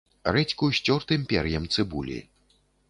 Рэдзьку з цёртым пер'ем цыбулі.